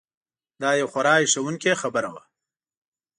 دا یو خورا هیښوونکې خبره وه.